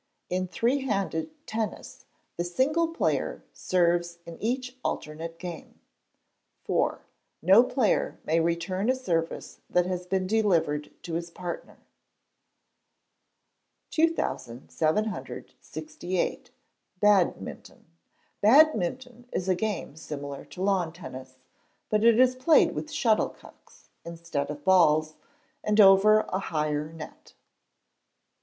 In Three handed Tennis the single player serves in each alternate game. iv. No player may return a service that has been delivered to his partner. 2768. Badminton. Badminton is a game similar to Lawn Tennis, but it is played with shuttlecocks instead of balls, and over a higher net.